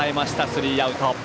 スリーアウト。